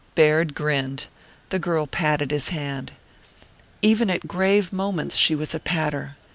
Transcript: Baird grinned; the girl patted his hand. Even at grave moments she was a patter.